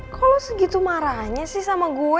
kok lo segitu marahnya sih sama gue